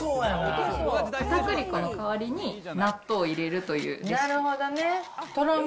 かたくり粉の代わりに、納豆を入れるというレシピ。